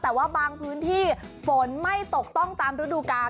แต่ว่าบางพื้นที่ฝนไม่ตกต้องตามฤดูกาล